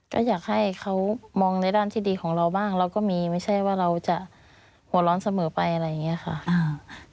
ก็อยากให้เขามองในด้านที่ดีของเราบ้างเราก็มีไม่ใช่ว่าเราจะหัวร้อนเสมอไปอะไรอย่างนี้ค่ะ